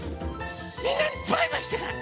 みんなにバイバイしてから。